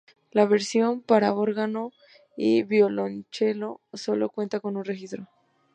La versión para órgano y violonchelo sólo cuenta con un registro.